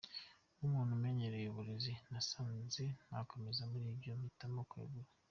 Nk’umuntu umenyereye uburezi nasanze ntakomeza muri ibyo mpitamo kwegura.